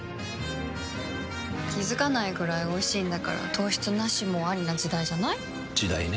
気付かないくらいおいしいんだから糖質ナシもアリな時代じゃない？時代ね。